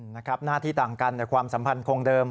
หน้าที่ต่างกันแต่ความสัมพันธ์คงเดิม